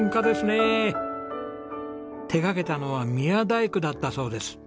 手掛けたのは宮大工だったそうです。